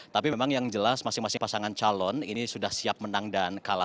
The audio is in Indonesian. tapi memang yang jelas masing masing pasangan calon ini sudah siap menang dan kalah